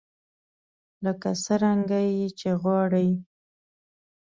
لکه څرنګه يې چې غواړئ.